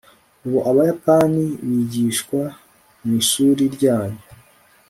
ubu abayapani bigishwa mwishuri ryanyu